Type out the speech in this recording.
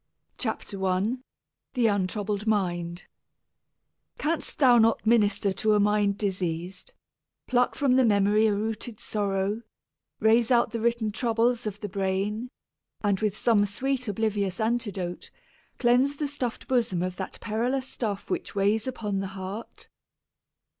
THE CURE BY FAITH 88 I THE UNTROUBLED MIND Canst thou not minister to a mind diseas'd, Pluck from the memory a rooted sorrow, Raze out the written troubles of the brain, And with some sweet oblivious antidote Cleanse the stuff'd bosom of that perilous stuff Which weighs upon the heart?